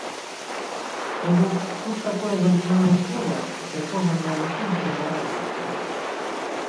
То бок тут такое замкнёнае кола, з якога нам усім трэба разам выходзіць.